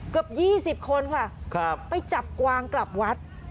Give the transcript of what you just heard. เกือบ๒๐คนค่ะไปจับกวางกลับวัด